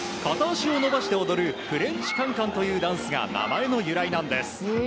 片足を伸ばして踊るフレンチカンカンというダンスが名前の由来なんです。